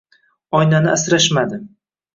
Oynani asrashmadi.